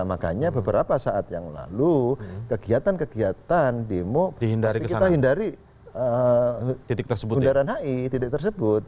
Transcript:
makanya beberapa saat yang lalu kegiatan kegiatan demo pasti kita hindari bundaran hi titik tersebut